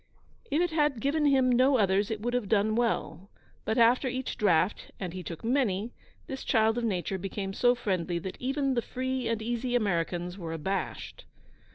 If it had given him no others it would have done well; but, after each draught, and he took many, this child of nature became so friendly that even the free and easy Americans were abashed.